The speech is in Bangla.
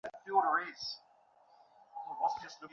তিনি ঊনবিংশ শতাব্দীর একজন কবি ও সাহিত্যিক।